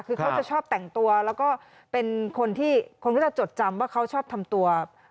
คือเขาจะชอบแต่งตัวแล้วก็เป็นคนที่คนก็จะจดจำว่าเขาชอบทำตัว